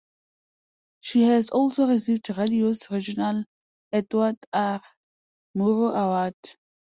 She has also received radio's regional Edward R. Murrow award.